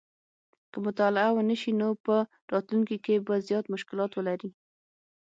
که مطالعه ونه شي نو په راتلونکي کې به زیات مشکلات ولري